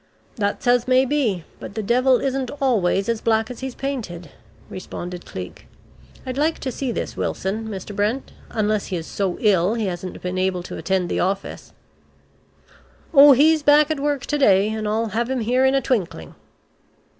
"That's as may be. But the devil isn't always as black as he is painted," responded Cleek. "I'd like to see this Wilson, Mr. Brent, unless he is so ill he hasn't been able to attend the office." "Oh he's back at work to day, and I'll have him here in a twinkling."